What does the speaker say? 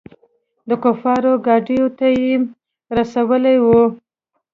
د کفارو ګاډو ته يېم رسولي وو.